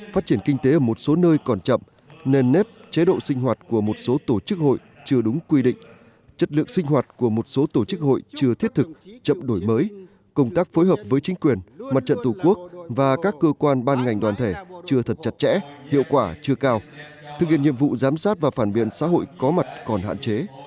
phát triển kinh tế ở một số nơi còn chậm nền nếp chế độ sinh hoạt của một số tổ chức hội chưa đúng quy định chất lượng sinh hoạt của một số tổ chức hội chưa thiết thực chậm đổi mới công tác phối hợp với chính quyền mặt trận tù quốc và các cơ quan ban ngành đoàn thể chưa thật chặt chẽ hiệu quả chưa cao thực hiện nhiệm vụ giám sát và phản biện xã hội có mặt còn hạn chế